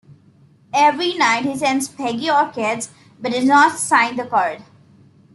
Every night, he sends Peggy orchids, but does not sign the card.